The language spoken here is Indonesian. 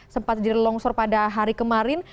sempat jadi longsor pada hari kemarin